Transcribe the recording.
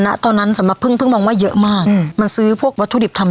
ตอนนั้นสำหรับพึ่งพึ่งมองว่าเยอะมากอืมมันซื้อพวกวัตถุดิบทำ